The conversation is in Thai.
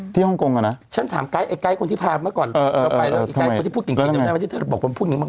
ที่ฮงกงละฉันถามไกไกคนที่พามาก่อนไปแล้วกินแล้วนะคะรึเปล่าพุนมี่มาก